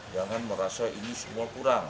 jangan merasa ini semua kurang